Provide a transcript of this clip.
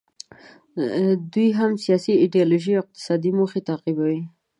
دوی هم سیاسي، ایډیالوژیکي او اقتصادي موخې تعقیبوي.